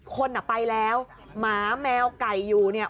คนอ่ะไปแล้วหมาแมวไก่อยู่เนี่ย